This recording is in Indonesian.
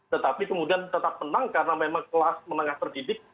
tetapi kemudian tetap menang karena memang kelas menengah terdidik